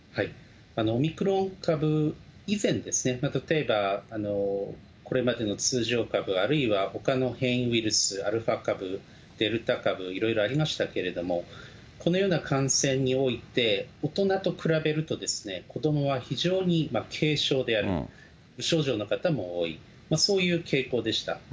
オミクロン株以前ですね、例えば、これまでの通常株、あるいはほかの変異ウイルス、アルファ株、デルタ株、いろいろありましたけれども、このような感染において、大人と比べると、子どもは非常に軽症である、無症状の方も多い、そういう傾向でした。